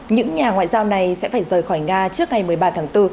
những nhà ngoại giao này sẽ phải rời khỏi nga trước ngày một mươi ba tháng bốn